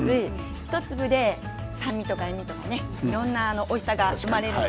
１粒で酸味とか塩みとかいろいろなおいしさが生まれます。